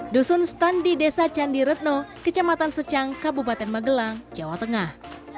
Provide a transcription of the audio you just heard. dusun stun di desa candi retno kecamatan secang kabupaten magelang jawa tengah